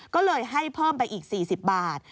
ก็เลยให้เพิ่มไปอีก๔๐บาท